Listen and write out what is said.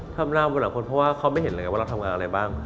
ทำหน้าเหมือนหลายคนเพราะว่าเขาไม่เห็นเลยว่าเราทำงานอะไรบ้าง